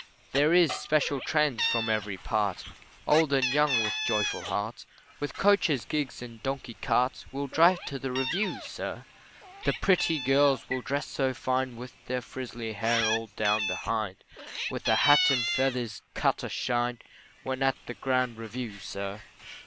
There is special trains from every part, Old and young with joyful hearts, With coaches, gigs, and donkey carts, Will drive to the review, sir. The pretty girls will dress so fine, With their frizzly hair all down behind, With a hat and feathers cut a shine When at the grand review, sir.